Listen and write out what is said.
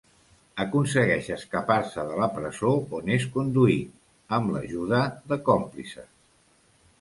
Aconsegueix escapar-se de la presó on és conduït, amb l'ajuda de còmplices.